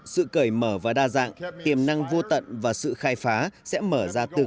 sự cởi mở và đa dạng tiềm năng vô tận và sự khai phá sẽ mở ra tương